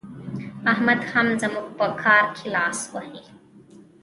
احمد هم زموږ په کار کې لاس وهي.